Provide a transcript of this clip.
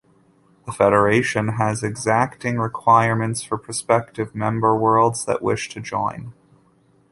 The Federation has exacting requirements for prospective member worlds that wish to join.